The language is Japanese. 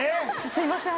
すいません。